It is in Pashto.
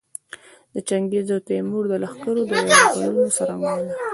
د چنګیز او تیمور د لښکرو د یرغلونو څرنګوالي.